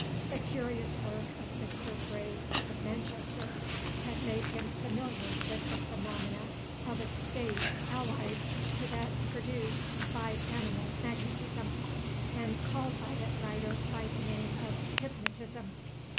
The curious work of Mr. Braid of Manchester had made him familiar with the phenomena of a state allied to that produced by animal magnetism, and called by that writer by the name of hypnotism.